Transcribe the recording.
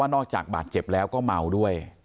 นอกจากบาดเจ็บแล้วก็เมาด้วย